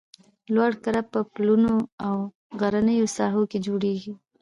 لوړ کرب په پلونو او غرنیو ساحو کې جوړیږي